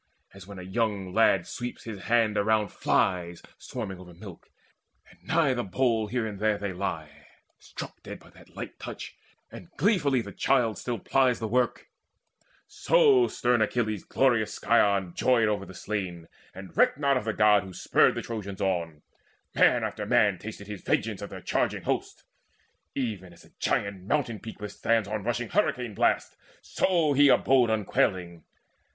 As when a young lad sweeps his hand around Flies swarming over milk, and nigh the bowl Here, there they lie, struck dead by that light touch, And gleefully the child still plies the work; So stern Achilles' glorious scion joyed Over the slain, and recked not of the God Who spurred the Trojans on: man after man Tasted his vengeance of their charging host. Even as a giant mountain peak withstands On rushing hurricane blasts, so he abode Unquailing.